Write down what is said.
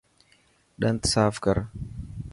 ڏنت ساف ڪر.